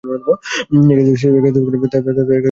সে দাবি করে তারা তার হাতে তুলে দিতে হবে।